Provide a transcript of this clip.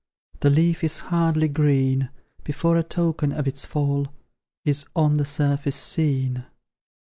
The leaf is hardly green, Before a token of its fall Is on the surface seen!"